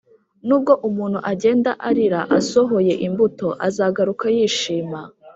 nubwo umuntu agenda arira asohoye imbuto, azagaruka yishima